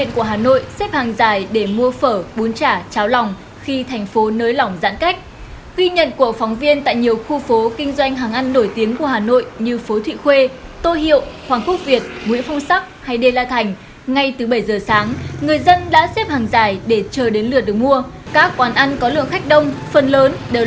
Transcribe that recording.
các bạn hãy đăng ký kênh để ủng hộ kênh của chúng mình nhé